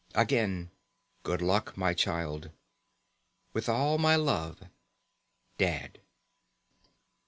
Again, good luck, my child. With all my love, Dad.